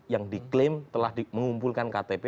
yang diklaim telah mengumpulkan ktp